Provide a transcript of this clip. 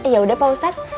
ya udah pak ustadz